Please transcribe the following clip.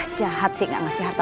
jahat sih nggak masih harta